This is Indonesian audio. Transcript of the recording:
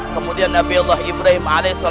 kemudian nabi allah ibrahim